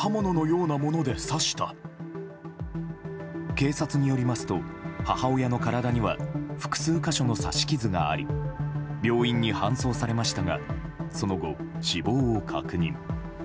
警察によりますと母親の体には複数箇所の刺し傷があり病院に搬送されましたがその後、死亡を確認。